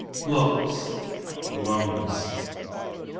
Plucks, the lungs.